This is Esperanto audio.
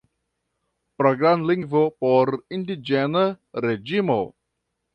Programlingvo por indiĝena reĝimo.